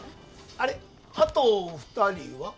あれあと２人は？